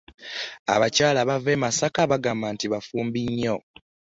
Abakyala abava e Masaka bagamba mbu baba bafumbi nnyo.